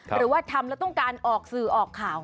หรือว่าทำแล้วต้องการออกสื่อออกข่าว